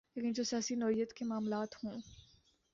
لیکن جو سیاسی نوعیت کے معاملات ہوں۔